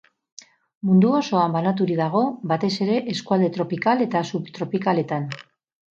Mundu osoan banaturik dago, batez ere, eskualde tropikal eta subtropikaletan.